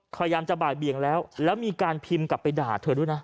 พยายามจะบ่ายเบียงแล้วแล้วมีการพิมพ์กลับไปด่าเธอด้วยนะ